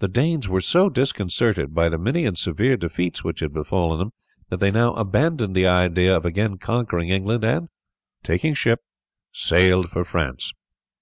The Danes were so disconcerted by the many and severe defeats which had befallen them that they now abandoned the idea of again conquering England, and taking ship, sailed for France.